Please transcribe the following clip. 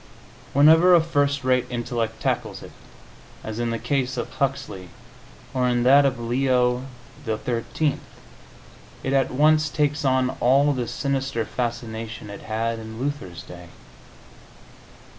Whenever a first rate intellect tackles it, as in the case of Huxley, or in that of Leo XIII., it at once takes on all the sinister fascination it had in Luther's day.